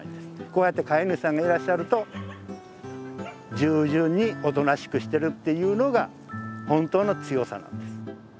こうやって飼い主さんがいらっしゃると従順におとなしくしてるっていうのが本当の強さなんです。